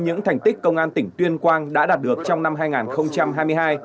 những thành tích công an tỉnh tuyên quang đã đạt được trong năm hai nghìn hai mươi hai